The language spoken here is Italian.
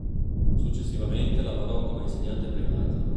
Successivamente lavorò come insegnante privato.